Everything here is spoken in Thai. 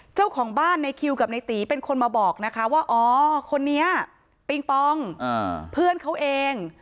เจ้าของบ้านในคิวกับในตีเป็นคนมาบอกนะคะว่าอ๋อคนนี้ปิงปองเพื่อนเขาเอง